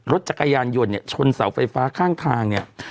รถจักรยานยนต์ชนเสาไฟฟ้าข้างทาง